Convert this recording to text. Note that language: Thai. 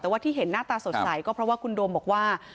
แต่ว่าที่เห็นหน้าตาสดใสก็เพราะว่าคุณโดมบอกว่า